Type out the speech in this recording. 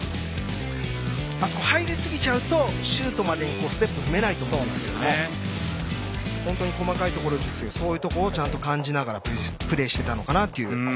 入りすぎちゃうとシュートまでステップが踏めないと思いますが細かいところですけどそういうところを感じながらプレーしていたのかなと。